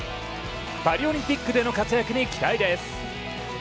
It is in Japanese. パリオリンピックでの活躍に期待です。